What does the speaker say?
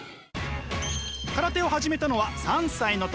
空手を始めたのは３歳の時。